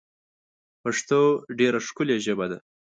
پښتو ژبه ډېره ښکلې ده.